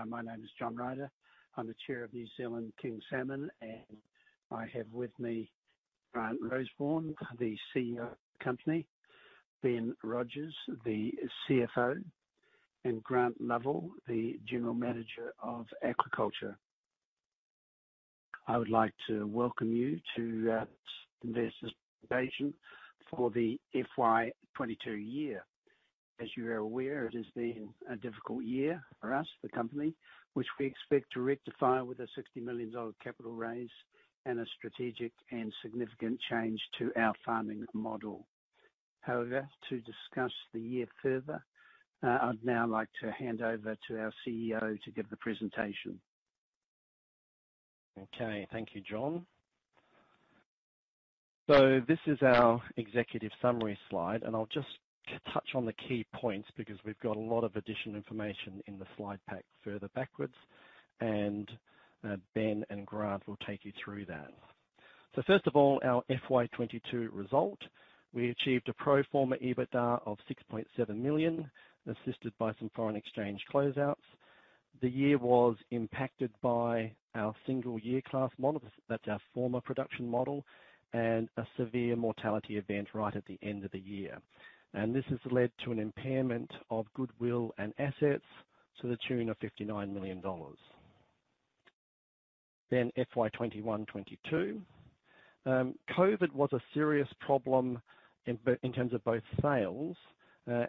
Hi, my name is John Ryder. I'm the Chair of New Zealand King Salmon, and I have with me Grant Rosewarne, the CEO of the company, Ben Rodgers, the CFO, and Grant Lovell, the General Manager of Aquaculture. I would like to welcome you to this investor's presentation for the FY 2022 year. As you are aware, it has been a difficult year for us, the company, which we expect to rectify with a 60 million dollar capital raise and a strategic and significant change to our farming model. However, to discuss the year further, I'd now like to hand over to our CEO to give the presentation. Okay. Thank you, John. This is our executive summary slide, and I'll just touch on the key points because we've got a lot of additional information in the slide pack further backwards, and Ben and Grant will take you through that. First of all, our FY 2022 result. We achieved a pro forma EBITDA of 6.7 million, assisted by some foreign exchange closeouts. The year was impacted by our single-year-class model, that's our former production model, and a severe mortality event right at the end of the year. This has led to an impairment of goodwill and assets to the tune of 59 million dollars. FY 2021-2022. COVID was a serious problem in terms of both sales,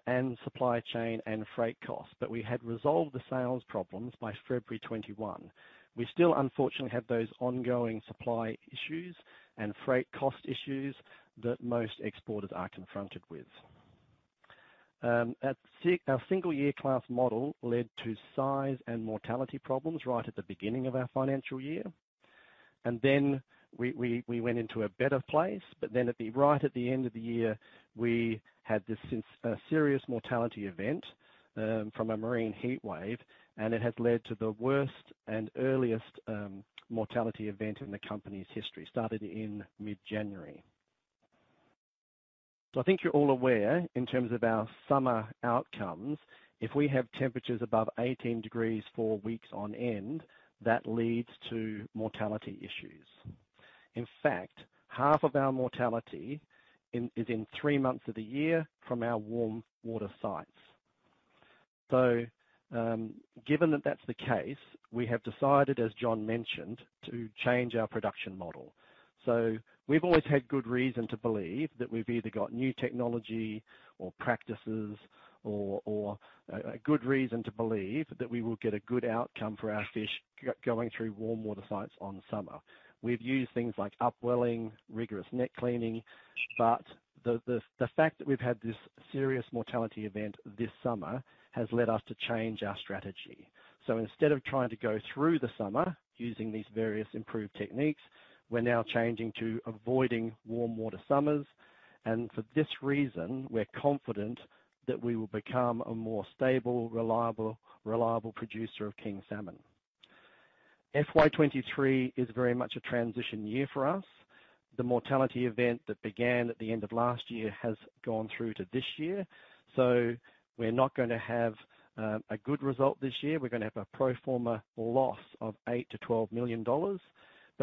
and supply chain and freight costs, but we had resolved the sales problems by February 2021. We still, unfortunately, have those ongoing supply issues and freight cost issues that most exporters are confronted with. Our single-year-class model led to size and mortality problems right at the beginning of our financial year. We went into a better place, but then right at the end of the year, we had this serious mortality event from a marine heat wave, and it has led to the worst and earliest mortality event in the company's history, started in mid-January. I think you're all aware in terms of our summer outcomes, if we have temperatures above 18 degrees 4 weeks on end, that leads to mortality issues. In fact, half of our mortality is in 3 months of the year from our warm water sites. Given that that's the case, we have decided, as John mentioned, to change our production model. We've always had good reason to believe that we've either got new technology or practices or a good reason to believe that we will get a good outcome for our fish going through warm water sites in summer. We've used things like upwelling, rigorous net cleaning, but the fact that we've had this serious mortality event this summer has led us to change our strategy. Instead of trying to go through the summer using these various improved techniques, we're now changing to avoiding warm water summers. For this reason, we're confident that we will become a more stable, reliable producer of King Salmon. FY 2023 is very much a transition year for us. The mortality event that began at the end of last year has gone through to this year, so we're not gonna have a good result this year. We're gonna have a pro forma loss of 8 million-12 million dollars.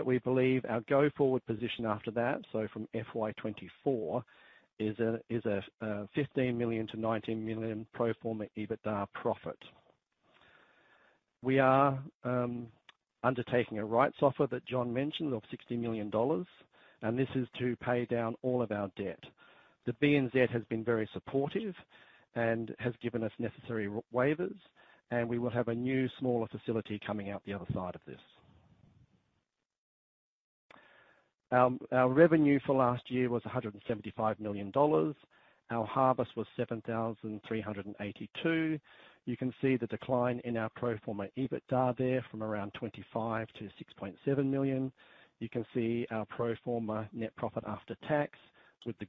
We believe our go-forward position after that, so from FY 2024, is a 15 million-19 million pro forma EBITDA profit. We are undertaking a rights offer that John mentioned of 60 million dollars, and this is to pay down all of our debt. The BNZ has been very supportive and has given us necessary waivers, and we will have a new, smaller facility coming out the other side of this. Our revenue for last year was 175 million dollars. Our harvest was 7,382. You can see the decline in our pro forma EBITDA there from around 25 million-6.7 million. You can see our pro forma net profit after tax with the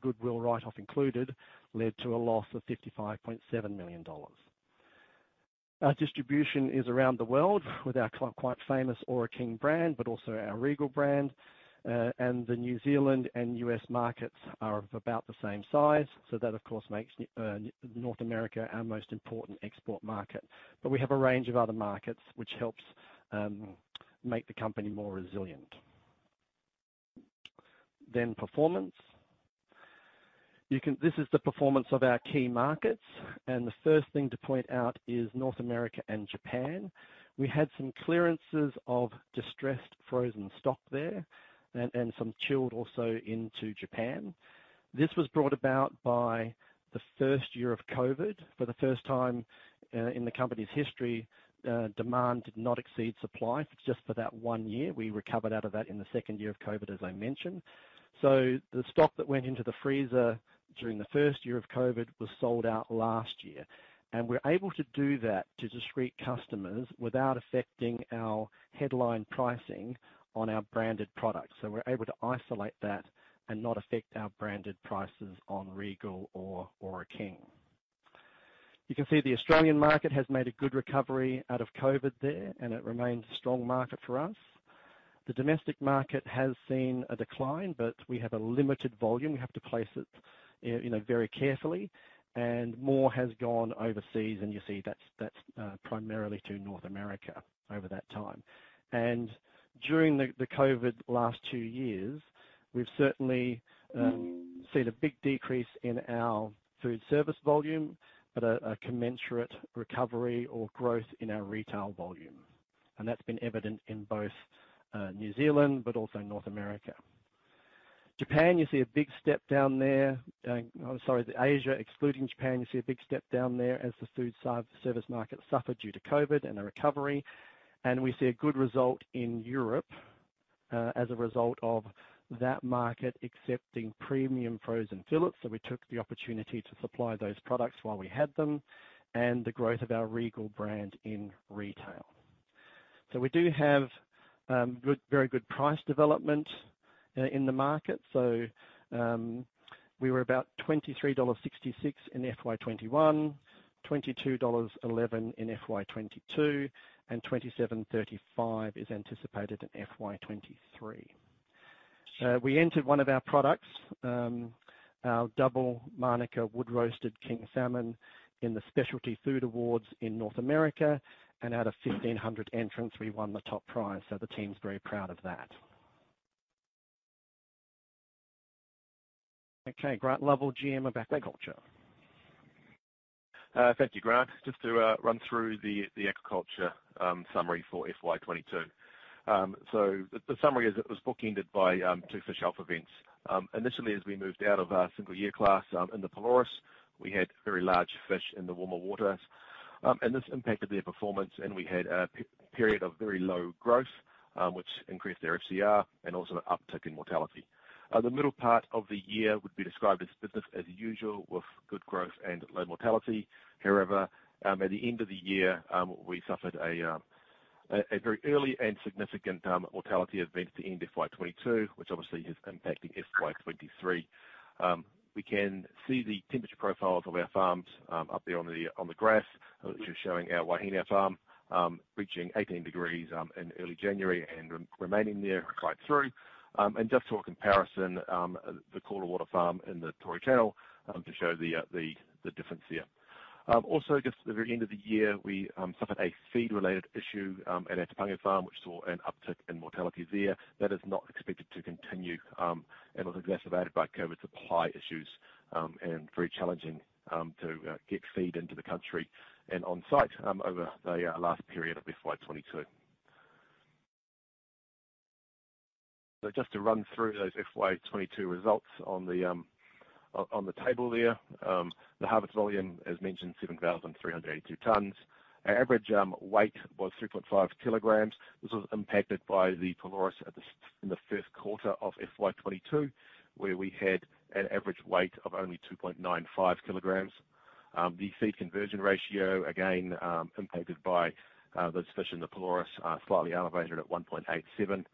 goodwill write-off included led to a loss of 55.7 million dollars. Our distribution is around the world with our quite famous Ōra King brand, but also our Regal brand. The New Zealand and U.S. markets are of about the same size. That of course makes North America our most important export market. We have a range of other markets which helps make the company more resilient. Performance. You can see this is the performance of our key markets, and the first thing to point out is North America and Japan. We had some clearances of distressed frozen stock there and some chilled also into Japan. This was brought about by the first year of COVID. For the first time, in the company's history, demand did not exceed supply just for that one year. We recovered out of that in the second year of COVID, as I mentioned. The stock that went into the freezer during the first year of COVID was sold out last year. We're able to do that to discrete customers without affecting our headline pricing on our branded products. We're able to isolate that and not affect our branded prices on Regal or Ōra King. You can see the Australian market has made a good recovery out of COVID there, and it remains a strong market for us. The domestic market has seen a decline, but we have a limited volume. We have to place it, you know, very carefully, and more has gone overseas. You see that's primarily to North America over that time. During the COVID last two years, we've certainly seen a big decrease in our food service volume, but a commensurate recovery or growth in our retail volume. That's been evident in both New Zealand, but also in North America. Japan, you see a big step down there. I'm sorry, the Asia, excluding Japan, you see a big step down there as the food service market suffered due to COVID and a recovery. We see a good result in Europe as a result of that market accepting premium frozen fillets. We took the opportunity to supply those products while we had them and the growth of our Regal brand in retail. We do have good, very good price development in the market. We were about 23.66 dollars in FY 2021, 22.11 in FY 2022, and 27.35 is anticipated in FY 2023. We entered one of our products, our Double Manuka Wood Roasted King Salmon, in the sofi Awards in North America. Out of 1,500 entrants, we won the top prize, so the team's very proud of that. Okay, Grant Lovell, GM Aquaculture. Thank you, Grant. Just to run through the aquaculture summary for FY 2022. The summary is it was bookended by two fish health events. Initially, as we moved out of our single-year-class in the Pelorus, we had very large fish in the warmer waters. This impacted their performance, and we had a period of very low growth, which increased their FCR and also an uptick in mortality. The middle part of the year would be described as business as usual with good growth and low mortality. However, at the end of the year, we suffered a very early and significant mortality event to end FY 2022, which obviously is impacting FY 2023. We can see the temperature profiles of our farms up there on the graph, which is showing our Waihinau farm reaching 18 degrees in early January and remaining there right through. Just for comparison, the colder water farm in the Tory Channel to show the difference here. Also, just at the very end of the year, we suffered a feed-related issue at our Kopaua farm, which saw an uptick in mortality there. That is not expected to continue and was exacerbated by COVID supply issues and very challenging to get feed into the country and on site over the last period of FY 2022. Just to run through those FY 2022 results on the table there. The harvest volume, as mentioned, 7,382 tons. Our average weight was 3.5 kg. This was impacted by the Pelorus in the first quarter of FY 2022, where we had an average weight of only 2.95 kg. The feed conversion ratio, again, impacted by those fish in the Pelorus, slightly elevated at 1.87.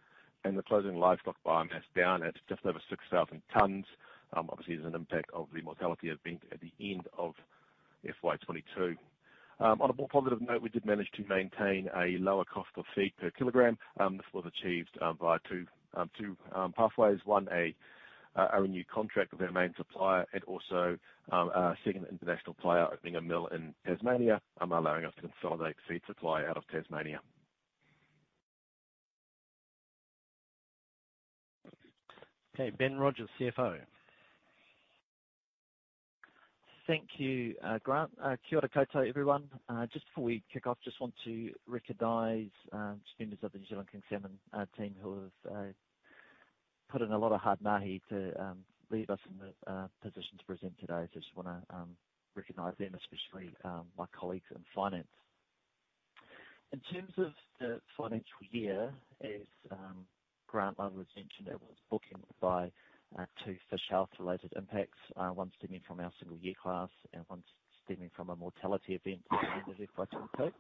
The closing livestock biomass down at just over 6,000 tons obviously is an impact of the mortality event at the end of FY 2022. On a more positive note, we did manage to maintain a lower cost of feed per kilogram. This was achieved via two pathways. A renewed contract with our main supplier and also a second international player opening a mill in Tasmania, allowing us to consolidate feed supply out of Tasmania. Okay, Ben Rodgers, CFO. Thank you, Grant. Kia ora koutou, everyone. Just before we kick off, just want to recognize members of the New Zealand King Salmon team who have put in a lot of hard mahi to leave us in the position to present today. Just wanna recognize them, especially my colleagues in finance. In terms of the financial year, as Grant Lovell has mentioned, it was bookended by two fish health-related impacts. One stemming from our single-year-class and one stemming from a mortality event at the end of FY 2022.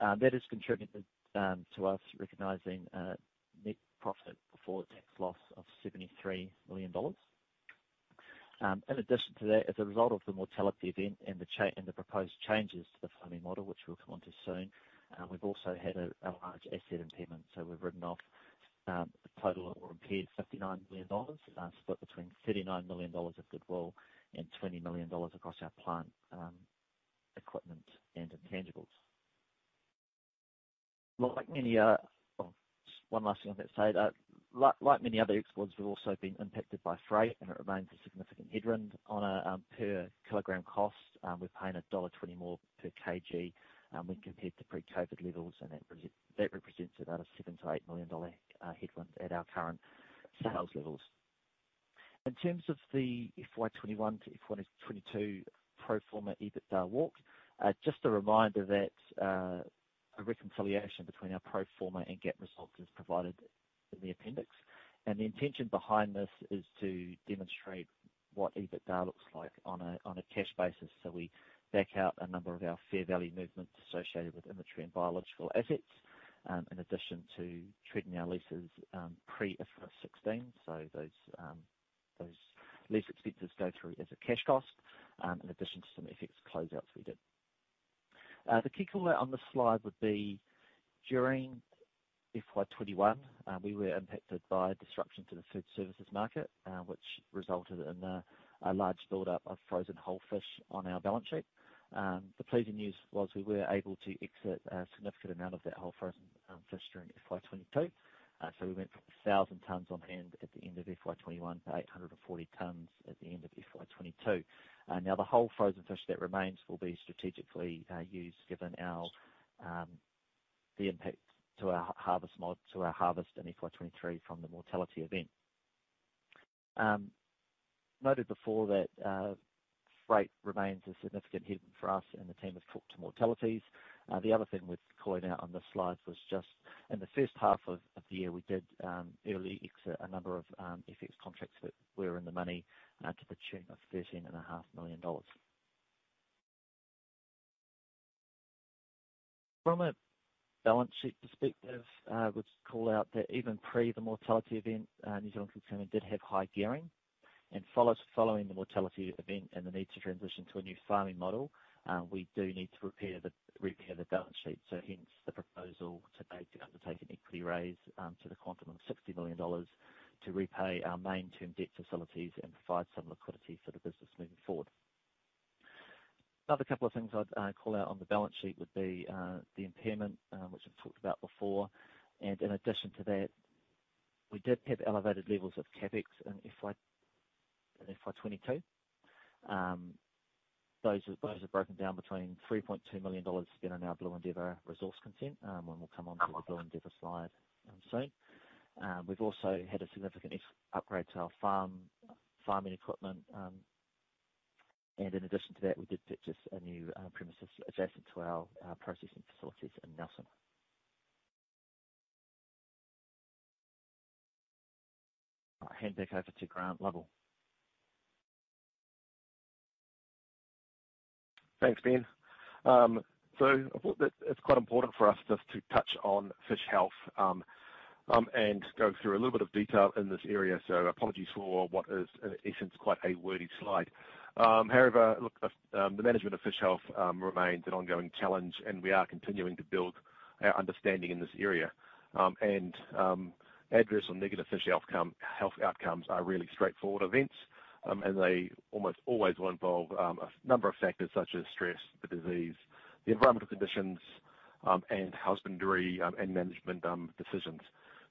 That has contributed to us recognizing a net profit before tax loss of 73 million dollars. In addition to that, as a result of the mortality event and the proposed changes to the funding model, which we'll come onto soon, we've also had a large asset impairment. We've impaired 59 million dollars split between 39 million dollars of goodwill and 20 million dollars across our plant, equipment and intangibles. Like many other exports, we've also been impacted by freight, and it remains a significant headwind on a per kilogram cost. We're paying dollar 1.20 more per kg when compared to pre-COVID levels, and that represents about a 7 million-8 million dollar headwind at our current sales levels. In terms of the FY 2021 to FY 2022 pro forma EBITDA walk, just a reminder that a reconciliation between our pro forma and GAAP results is provided in the appendix. The intention behind this is to demonstrate what EBITDA looks like on a cash basis. We back out a number of our fair value movements associated with inventory and biological assets, in addition to treating our leases pre IFRS 16. Those lease expenses go through as a cash cost, in addition to some FX closeouts we did. The key call out on the slide would be during FY 2021, we were impacted by disruption to the food services market, which resulted in a large build-up of frozen whole fish on our balance sheet. The pleasing news was we were able to exit a significant amount of that whole frozen fish during FY 2022. So we went from 1,000 tons on hand at the end of FY 2021 to 840 tons at the end of FY 2022. Now the whole frozen fish that remains will be strategically used given the impact to our harvest in FY 2023 from the mortality event. Noted before that, freight remains a significant headwind for us, and the team has talked about mortalities. The other thing worth calling out on the slides was just in the first half of the year, we did early exit a number of FX contracts that were in the money, to the tune of 13.5 million dollars. From a balance sheet perspective, I would call out that even pre the mortality event, New Zealand King Salmon did have high gearing. Following the mortality event and the need to transition to a new farming model, we do need to repair the balance sheet. Hence the proposal to undertake an equity raise to the quantum of 60 million dollars to repay our medium-term debt facilities and provide some liquidity for the business moving forward. Another couple of things I'd call out on the balance sheet would be the impairment, which I've talked about before. In addition to that, we did have elevated levels of CapEx in FY 2022. Those are broken down between 3.2 million dollars spent on our Blue Endeavour resource consent, and we'll come onto the Blue Endeavour slide soon. We've also had a significant upgrade to our farming equipment. In addition to that, we did purchase a new premises adjacent to our processing facilities in Nelson. I'll hand back over to Grant Lovell. Thanks, Ben. I thought that it's quite important for us just to touch on fish health and go through a little bit of detail in this area, so apologies for what is in essence quite a wordy slide. However, look, the management of fish health remains an ongoing challenge, and we are continuing to build our understanding in this area. Adverse or negative fish health outcomes are really straightforward events, and they almost always will involve a number of factors such as stress, disease, environmental conditions, and husbandry and management decisions.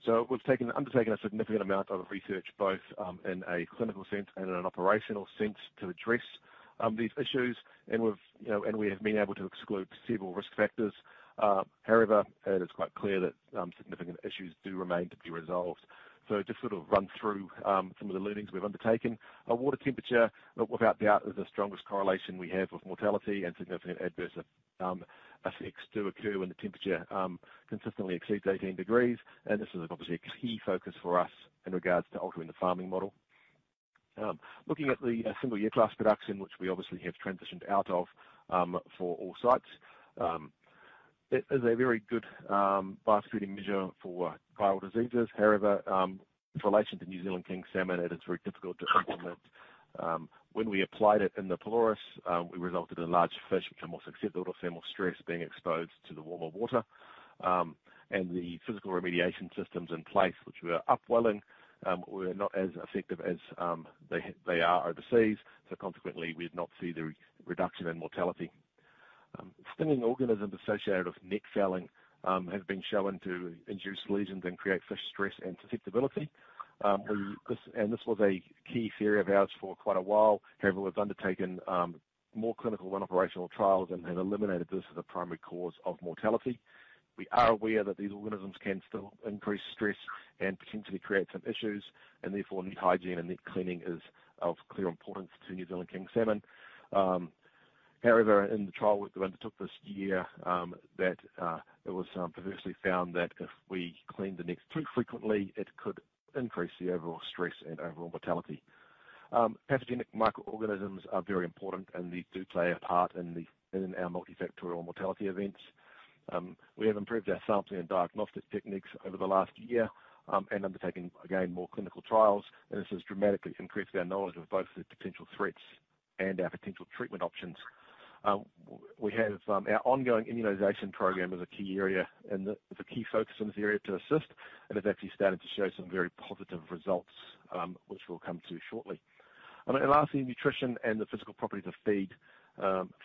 We've undertaken a significant amount of research both in a clinical sense and in an operational sense to address these issues. You know, we have been able to exclude several risk factors. However, it is quite clear that significant issues do remain to be resolved. Just sort of run through some of the learnings we've undertaken. Our water temperature, without doubt, is the strongest correlation we have with mortality and significant adverse effects do occur when the temperature consistently exceeds 18 degrees. This is obviously a key focus for us in regards to altering the farming model. Looking at the single-year-class production, which we obviously have transitioned out of for all sites, it is a very good biosecurity measure for viral diseases. However, in relation to New Zealand King Salmon, it is very difficult to implement. When we applied it in the Pelorus, we resulted in large fish become more susceptible to thermal stress being exposed to the warmer water. The physical remediation systems in place which were upwelling were not as effective as they are overseas, so consequently, we did not see the reduction in mortality. Stinging organisms associated with net fouling have been shown to induce lesions and create fish stress and susceptibility. This was a key theory of ours for quite a while. However, we've undertaken more clinical and operational trials and have eliminated this as a primary cause of mortality. We are aware that these organisms can still increase stress and potentially create some issues and therefore net hygiene and net cleaning is of clear importance to New Zealand King Salmon. However, in the trial we undertook this year, that it was perversely found that if we cleaned the nets too frequently, it could increase the overall stress and overall mortality. Pathogenic microorganisms are very important, and these do play a part in our multifactorial mortality events. We have improved our sampling and diagnostic techniques over the last year and undertaken, again, more clinical trials. This has dramatically increased our knowledge of both the potential threats and our potential treatment options. We have our ongoing immunization program as a key area and the key focus in this area to assist and has actually started to show some very positive results, which we'll come to shortly. Then lastly, nutrition and the physical properties of feed.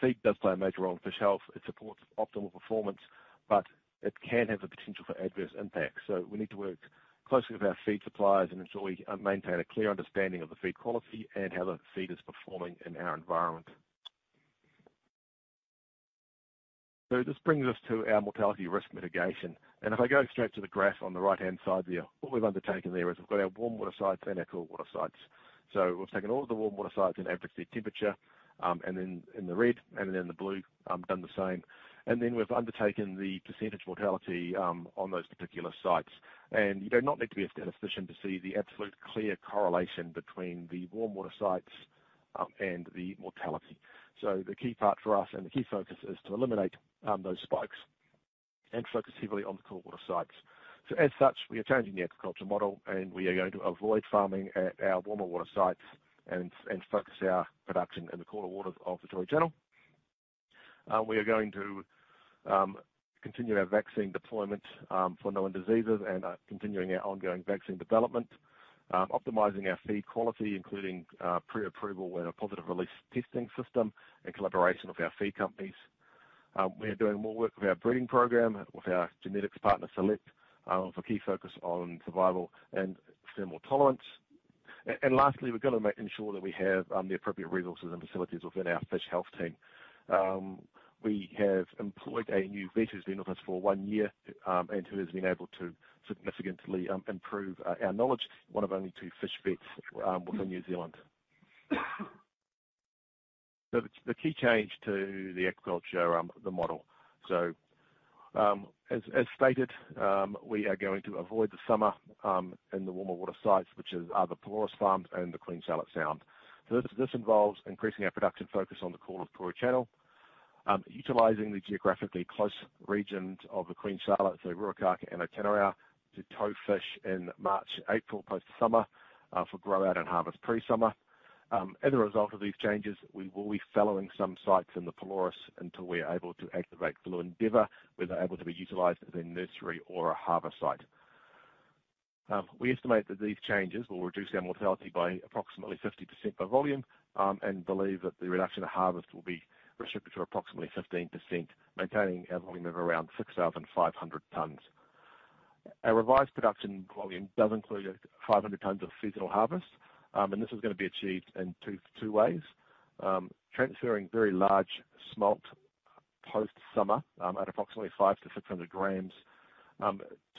Feed does play a major role in fish health. It supports optimal performance, but it can have the potential for adverse impacts. We need to work closely with our feed suppliers and ensure we maintain a clear understanding of the feed quality and how the feed is performing in our environment. This brings us to our mortality risk mitigation. If I go straight to the graph on the right-hand side there, what we've undertaken there is we've got our warm water sites and our cool water sites. We've taken all of the warm water sites and averaged their temperature, and then in the red and then the blue, done the same. Then we've undertaken the percentage mortality on those particular sites. You do not need to be a statistician to see the absolute clear correlation between the warm water sites and the mortality. The key part for us and the key focus is to eliminate those spikes and focus heavily on the colder water sites. As such, we are changing the aquaculture model, and we are going to avoid farming at our warmer water sites and focus our production in the colder waters of the Tory Channel. We are going to continue our vaccine deployment for known diseases and are continuing our ongoing vaccine development. Optimizing our feed quality, including pre-approval with a positive release testing system and collaboration with our feed companies. We are doing more work with our breeding program with our genetics partner, Xelect, with a key focus on survival and thermal tolerance. Lastly, we're gonna ensure that we have the appropriate resources and facilities within our fish health team. We have employed a new vet who's been with us for one year and who has been able to significantly improve our knowledge, one of only two fish vets within New Zealand. The key change to the aquaculture model. As stated, we are going to avoid the summer in the warmer water sites, which are the Pelorus farms and the Queen Charlotte Sound. This involves increasing our production focus on the colder Tory Channel, utilizing the geographically close regions of the Queen Charlotte, so Ruakaka and Otanerau, to stock fish in March, April, post-summer, for grow out and harvest pre-summer. As a result of these changes, we will be fallowing some sites in the Pelorus until we are able to activate Blue Endeavour, where they're able to be utilized as a nursery or a harvest site. We estimate that these changes will reduce our mortality by approximately 50% by volume, and believe that the reduction of harvest will be restricted to approximately 15%, maintaining our volume of around 6,500 tons. Our revised production volume does include 500 tons of seasonal harvest, and this is gonna be achieved in two ways. Transferring very large smolt post-summer at approximately 500 g-600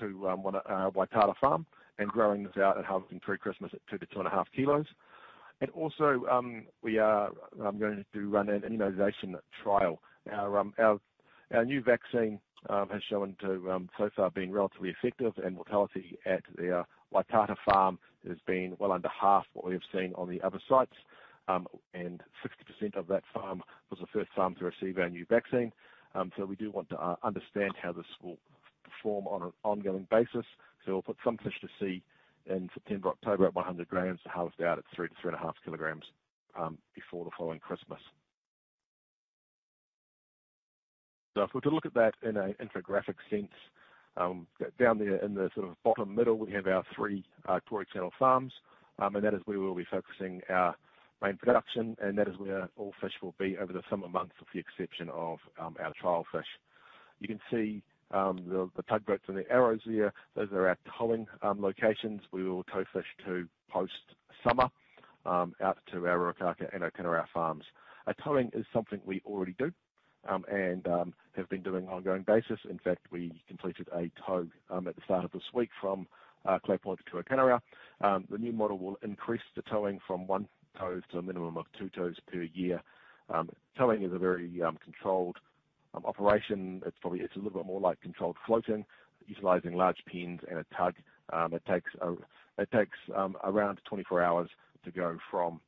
g to Waihinau farm and growing those out and harvesting pre-Christmas at 2 kg-2.5 kg. We are going to run an immunization trial. Our new vaccine has so far been relatively effective, and mortality at the Waitara farm has been well under half what we have seen on the other sites. 60% of that farm was the first farm to receive our new vaccine. We do want to understand how this will perform on an ongoing basis. We'll put some fish to sea in September, October, at 100 g to harvest out at 3 kg-3.5 kg before the following Christmas. If we were to look at that in an infographic sense, down there in the sort of bottom middle, we have our three Tory Channel farms, and that is where we'll be focusing our main production, and that is where all fish will be over the summer months with the exception of our trial fish. You can see the tug boats and the arrows there. Those are our towing locations. We will tow fish to post-summer out to our Ruakaka and Otanerau farms. Towing is something we already do and have been doing on an ongoing basis. In fact, we completed a tow at the start of this week from Clay Point to Otanerau. The new model will increase the towing from one tow to a minimum of two tows per year. Towing is a very controlled operation. It's a little bit more like controlled floating, utilizing large pins and a tug. It takes around 24 hours to go from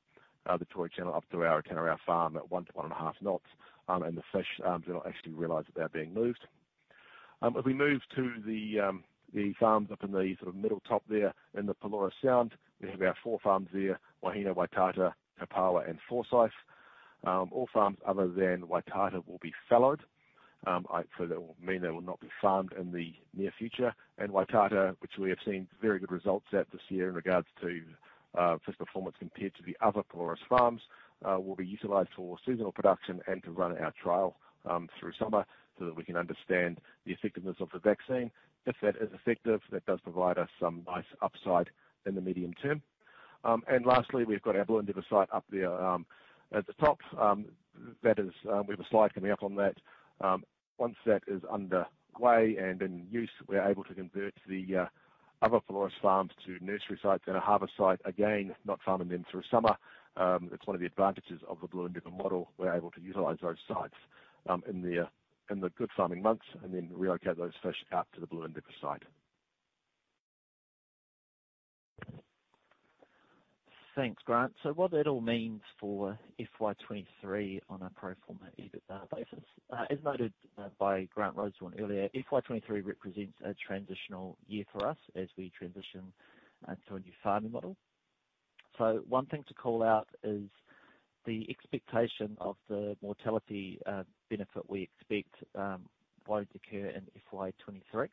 the Tory Channel up to our Otanerau farm at 1 knots-1.5 knots. The fish do not actually realize that they're being moved. If we move to the farms up in the sort of middle top there in the Pelorus Sound, we have our four farms there, Waihinau, Waitara, Kopauawa, and Forsyth. All farms other than Waitara will be fallowed. That will mean they will not be farmed in the near future. Waitara, which we have seen very good results at this year in regards to fish performance compared to the other Pelorus farms, will be utilized for seasonal production and to run our trial through summer so that we can understand the effectiveness of the vaccine. If that is effective, that does provide us some nice upside in the medium term. Lastly, we've got our Blue Endeavour site up there at the top. That is, we have a slide coming up on that. Once that is underway and in use, we're able to convert the other Pelorus farms to nursery sites and a harvest site. Again, not farming them through summer. It's one of the advantages of the Blue Endeavour model. We're able to utilize those sites in the good farming months and then relocate those fish out to the Blue Endeavour site. Thanks, Grant. What that all means for FY 2023 on a pro forma EBITDA basis, as noted by Grant Rosewarne earlier, FY 2023 represents a transitional year for us as we transition to a new farming model. One thing to call out is the expectation of the mortality benefit we expect won't occur in FY 2023.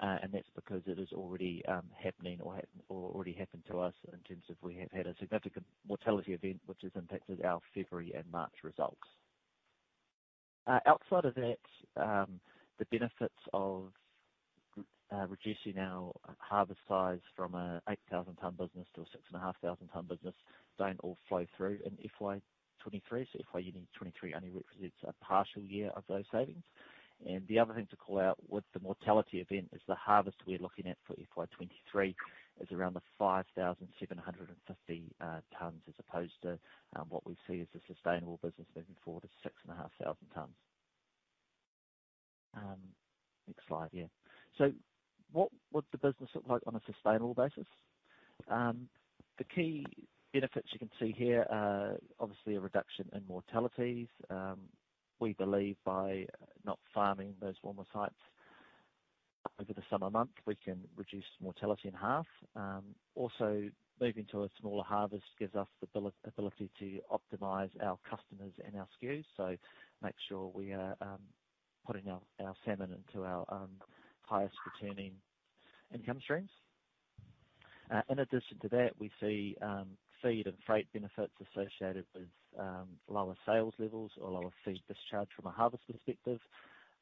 That's because it is already happening or already happened to us in terms of we have had a significant mortality event which has impacted our February and March results. Outside of that, the benefits of reducing our harvest size from a 8,000-ton business to a 6,500-ton business don't all flow through in FY 2023. FY 2023 only represents a partial year of those savings. The other thing to call out with the mortality event is the harvest we're looking at for FY 2023 is around the 5,750 tons, as opposed to what we see as a sustainable business moving forward of 6,500 tons. Next slide. What would the business look like on a sustainable basis? The key benefits you can see here are obviously a reduction in mortalities. We believe by not farming those warmer sites over the summer months, we can reduce mortality in half. Also moving to a smaller harvest gives us the ability to optimize our customers and our SKUs. Make sure we are putting our salmon into our highest returning income streams. In addition to that, we see feed and freight benefits associated with lower sales levels or lower feed discharge from a harvest perspective.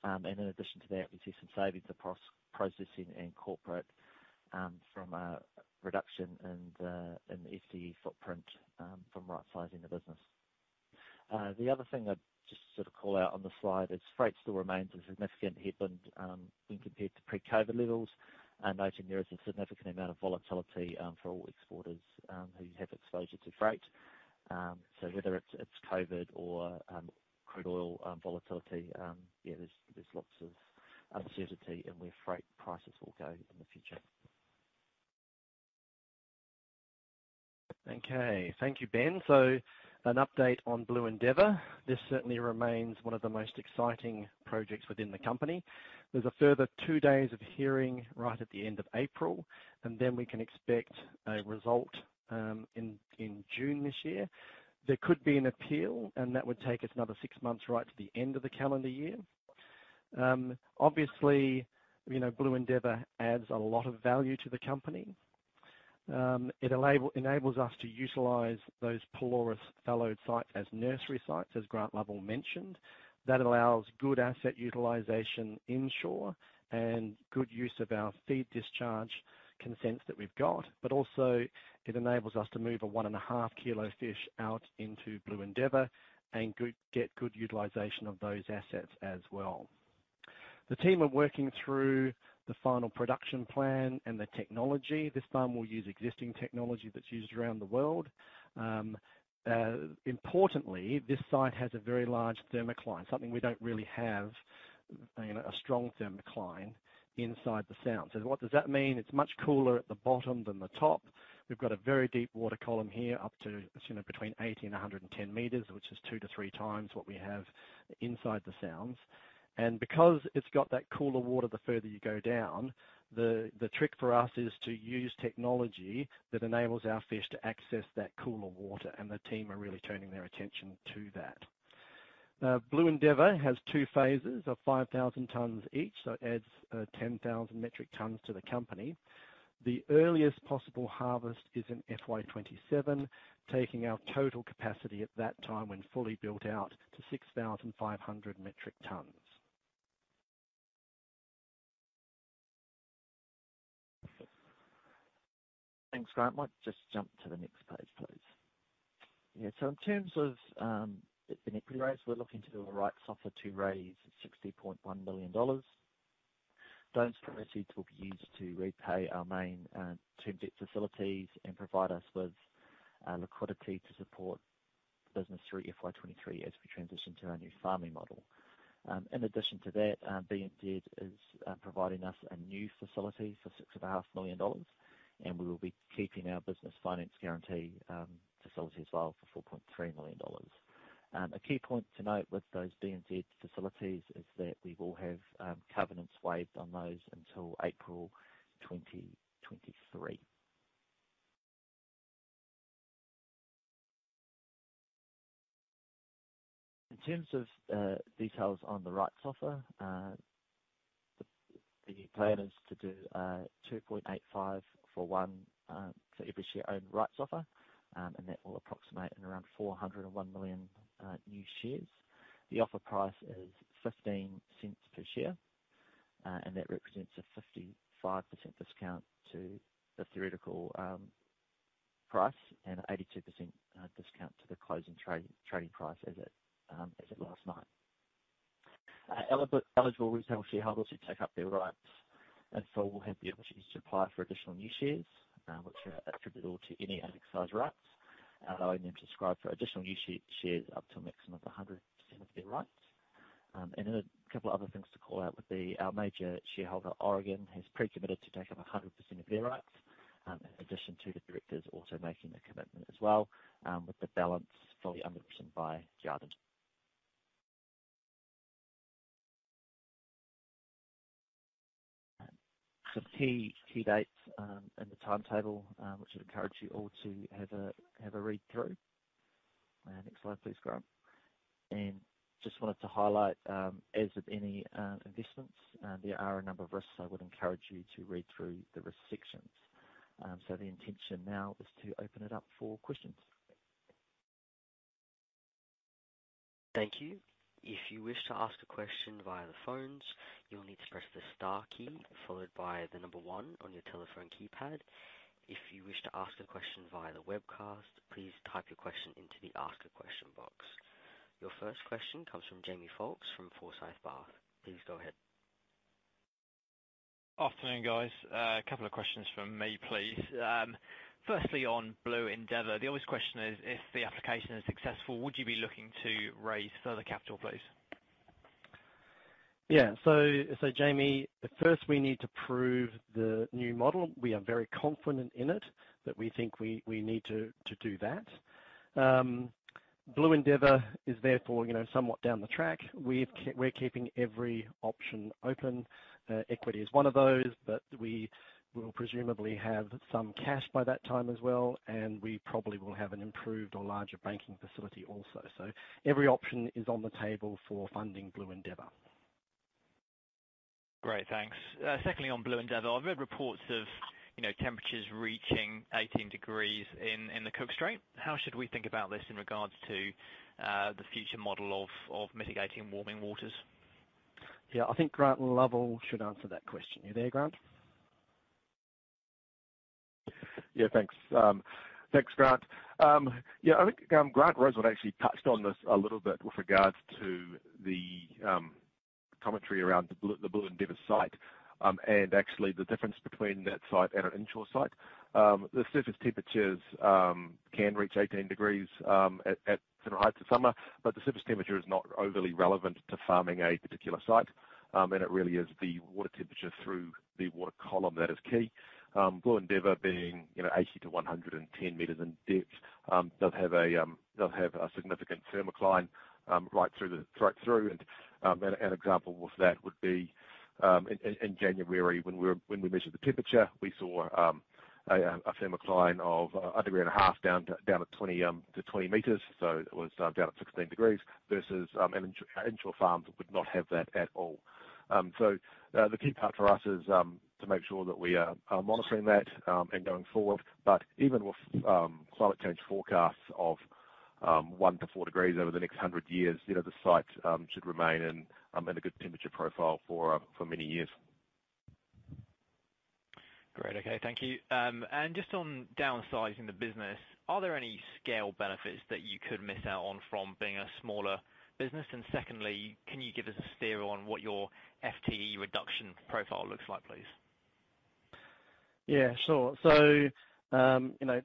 In addition to that, we see some savings across processing and corporate from reduction in the site footprint from right-sizing the business. The other thing I'd just sort of call out on the slide is freight still remains a significant headwind when compared to pre-COVID levels. I'm noting there is a significant amount of volatility for all exporters who have exposure to freight. Whether it's COVID or crude oil volatility, yeah, there's lots of uncertainty in where freight prices will go in the future. Okay. Thank you, Ben. An update on Blue Endeavour. This certainly remains one of the most exciting projects within the company. There's a further 2 days of hearing right at the end of April, and then we can expect a result in June this year. There could be an appeal, and that would take us another 6 months, right to the end of the calendar year. Obviously, you know, Blue Endeavour adds a lot of value to the company. It enables us to utilize those Pelorus fallowed sites as nursery sites, as Grant Lovell mentioned. That allows good asset utilization inshore and good use of our feed discharge consents that we've got. Also it enables us to move a 1.5 kg fish out into Blue Endeavour and get good utilization of those assets as well. The team are working through the final production plan and the technology. This time we'll use existing technology that's used around the world. Importantly, this site has a very large thermocline, something we don't really have, you know, a strong thermocline inside the Sound. What does that mean? It's much cooler at the bottom than the top. We've got a very deep water column here, up to, you know, between 80 m and 110 m, which is 2x-3x what we have inside the Sounds. Because it's got that cooler water the further you go down, the trick for us is to use technology that enables our fish to access that cooler water, and the team are really turning their attention to that. Blue Endeavour has two phases of 5,000 tonnes each, so it adds 10,000 metric tonnes to the company. The earliest possible harvest is in FY 2027, taking our total capacity at that time when fully built out to 6,500 metric tonnes. Thanks, Grant. Might just jump to the next page, please. Yeah, in terms of the equity raise, we're looking to do a rights offer to raise 60.1 million dollars. Those proceeds will be used to repay our main term debt facilities and provide us with liquidity to support the business through FY 2023 as we transition to our new farming model. In addition to that, BNZ is providing us a new facility for 6.5 million dollars, and we will be keeping our Business Finance Guarantee facility as well for 4.3 million dollars. A key point to note with those BNZ facilities is that we will have covenants waived on those until April 2023. In terms of details on the rights offer, the plan is to do 2.85 for one for every share owned rights offer, and that will approximate at around 401 million new shares. The offer price is 0.15 per share, and that represents a 55% discount to the theoretical price and 82% discount to the closing trading price as at last night. Eligible retail shareholders who take up their rights in full will have the opportunity to apply for additional new shares, which are attributable to any unexercised rights, allowing them to subscribe for additional new shares up to a maximum of 100% of their rights. A couple other things to call out would be our major shareholder, Oregon, has pre-committed to take up 100% of their rights, in addition to the directors also making a commitment as well, with the balance fully underwritten by Jarden. Some key dates in the timetable, which I'd encourage you all to have a read through. Next slide, please, Grant. Just wanted to highlight, as with any investments, there are a number of risks I would encourage you to read through the risk sections. The intention now is to open it up for questions. Thank you. If you wish to ask a question via the phones, you'll need to press the star key followed by the number one on your telephone keypad. If you wish to ask a question via the webcast, please type your question into the Ask a Question box. Your first question comes from Jamie Foulkes from Forsyth Barr. Please go ahead. Afternoon, guys. A couple of questions from me, please. Firstly, on Blue Endeavour, the obvious question is if the application is successful, would you be looking to raise further capital, please? Yeah. Jamie, at first we need to prove the new model. We are very confident in it, but we think we need to do that. Blue Endeavour is therefore, you know, somewhat down the track. We're keeping every option open. Equity is one of those, but we will presumably have some cash by that time as well, and we probably will have an improved or larger banking facility also. Every option is on the table for funding Blue Endeavour. Great. Thanks. Secondly, on Blue Endeavour, I've read reports of, you know, temperatures reaching 18 degrees in the Cook Strait. How should we think about this in regards to the future model of mitigating warming waters? Yeah, I think Grant Lovell should answer that question. You there, Grant? Yeah, thanks. Thanks, Grant. Yeah, I think Grant Rosewarne actually touched on this a little bit with regards to the commentary around the Blue Endeavour site, and actually the difference between that site and an inshore site. The surface temperatures can reach 18 degrees at heights of summer, but the surface temperature is not overly relevant to farming a particular site. It really is the water temperature through the water column that is key. Blue Endeavour being, you know, 80 m-110 m in depth, does have a significant thermocline right through. An example with that would be in January when we measured the temperature, we saw a thermocline of 1.5 degrees down to 20 m. It was down at 16 degrees versus an inshore farm would not have that at all. The key part for us is to make sure that we are monitoring that and going forward. Even with climate change forecasts of 1 degrees-4 degrees over the next 100 years, you know, the site should remain in a good temperature profile for many years. Great. Okay. Thank you. Just on downsizing the business, are there any scale benefits that you could miss out on from being a smaller business? Secondly, can you give us a steer on what your FTE reduction profile looks like, please? Yeah, sure. You know,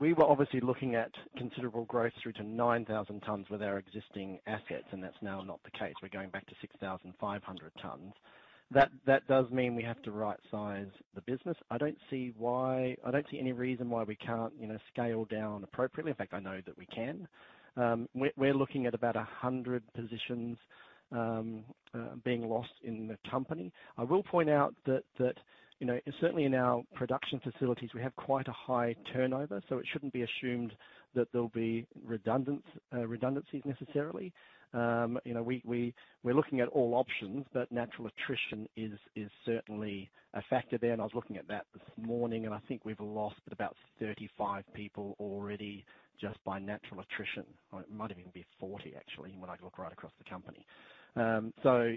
we were obviously looking at considerable growth through to 9,000 tons with our existing assets, and that's now not the case. We're going back to 6,500 tons. That does mean we have to right-size the business. I don't see any reason why we can't, you know, scale down appropriately. In fact, I know that we can. We're looking at about 100 positions being lost in the company. I will point out that you know, certainly in our production facilities we have quite a high turnover, so it shouldn't be assumed that there'll be redundancies necessarily. You know, we're looking at all options, but natural attrition is certainly a factor there. I was looking at that this morning, and I think we've lost about 35 people already just by natural attrition. It might even be 40, actually, when I look right across the company.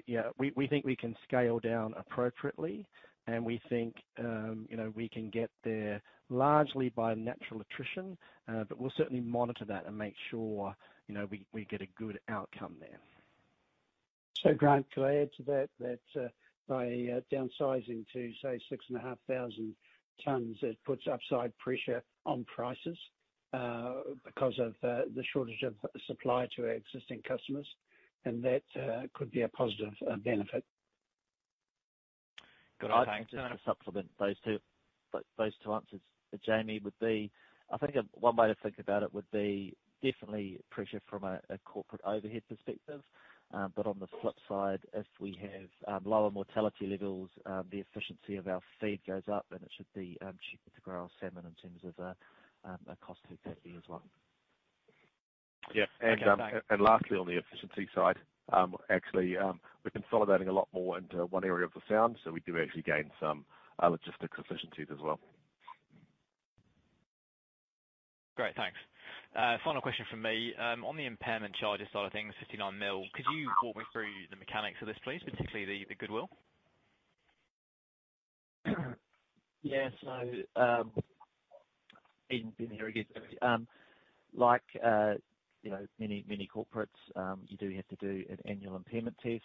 Yeah, we think we can scale down appropriately and we think, you know, we can get there largely by natural attrition, but we'll certainly monitor that and make sure, you know, we get a good outcome there. Grant, could I add to that by downsizing to, say, 6,500 tons, it puts upside pressure on prices because of the shortage of supply to our existing customers, and that could be a positive benefit. Good. Okay. I'd like to just supplement those two answers. Jamie would be, I think one way to think about it would be definitely pressure from a corporate overhead perspective. On the flip side, if we have lower mortality levels, the efficiency of our feed goes up and it should be cheaper to grow our salmon in terms of a cost impact there as well. Yeah. Lastly on the efficiency side, actually, we're consolidating a lot more into one area of the sound, so we do actually gain some logistics efficiencies as well. Great. Thanks. Final question from me. On the impairment charges side of things, 59 million. Could you walk me through the mechanics of this please, particularly the goodwill? Yeah. Even being very good. Like, you know, many corporates, you do have to do an annual impairment test.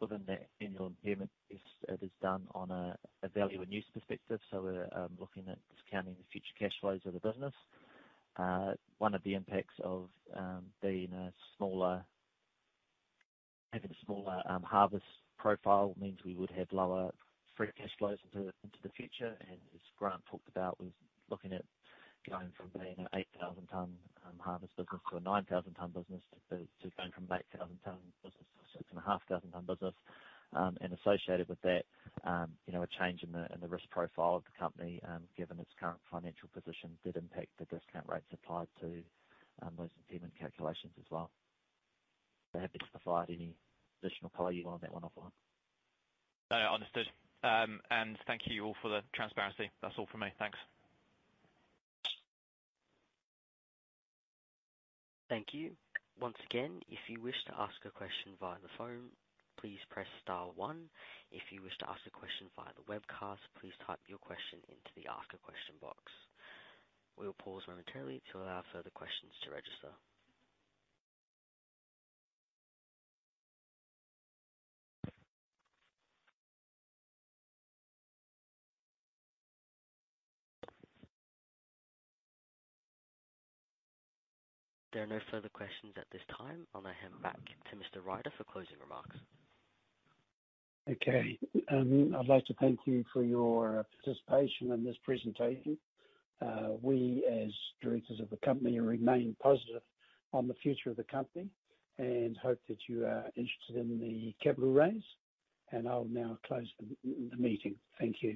Within that annual impairment test, it is done on a value in use perspective. We're looking at discounting the future cash flows of the business. One of the impacts of having a smaller harvest profile means we would have lower free cash flows into the future. As Grant talked about, was looking at going from being an 8,000-ton harvest business to a 9,000-ton business to going from an 8,000-ton business to a 6,500-ton business. Associated with that, you know, a change in the risk profile of the company, given its current financial position, did impact the discount rates applied to those impairment calculations as well. I'm happy to provide any additional color you want on that one, Owen. No, understood. Thank you all for the transparency. That's all from me. Thanks. Thank you. Once again, if you wish to ask a question via the phone, please press star one. If you wish to ask a question via the webcast, please type your question into the Ask a Question box. We will pause momentarily to allow further questions to register. There are no further questions at this time. I'll now hand back to Mr. Ryder for closing remarks. Okay. I'd like to thank you for your participation in this presentation. We, as directors of the company, remain positive on the future of the company and hope that you are interested in the capital raise, and I'll now close the meeting. Thank you.